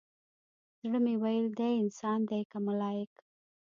زړه مې ويل دى انسان دى كه ملايك؟